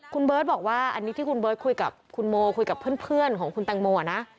คุณเบิร์ตบอกว่าอันนี้ที่คุณเบิร์ตคุยกับคุณโมคุยกับเพื่อนของคุณแตงโมนะ